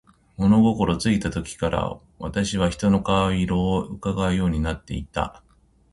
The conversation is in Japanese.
物心ついた時から、私は人の顔色を窺うようになっていた。